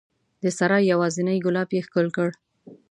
د سرای یوازینی ګلاب یې ښکل کړ